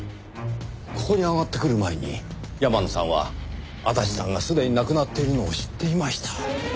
ここに上がってくる前に山野さんは足立さんがすでに亡くなっているのを知っていました。